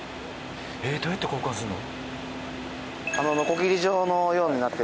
えーっどうやって交換するの？